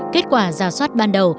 kết quả giả soát ban đầu